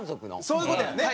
そういう事やね。